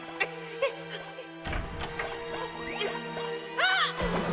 あっ！